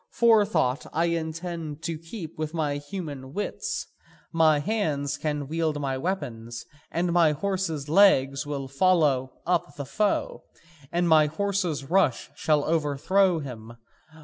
Forethought I intend to keep with my human wits, my hands can wield my weapons, and my horse's legs will follow up the foe, and my horse's rush overthrow him.